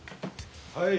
はい。